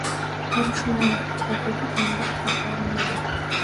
Թռչում է թևերի դանդաղ թափահարումներով։